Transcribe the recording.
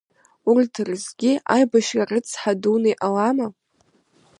Урҭ рызгьы аибашьра рыцҳара дуны иҟалама.